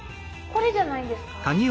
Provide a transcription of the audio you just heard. これじゃないんですか？